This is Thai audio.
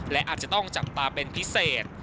และอาจจะต้องจับตาเป็นพิเศษ